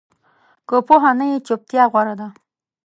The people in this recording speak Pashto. که پوه نه یې، چُپتیا غوره ده